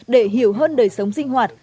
để hiểu hơn đời sống sinh hoạt